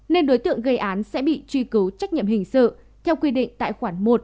nên đối tượng gây án sẽ bị truy cứu trách nhiệm hình sự theo quy định tại khoản một